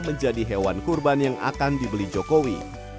menjadi hewan kurban yang akan dibeli jokowi